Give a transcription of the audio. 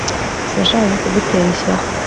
sinashakaga kugutera ishyari